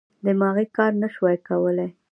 دماغي کار نه شوای کولای.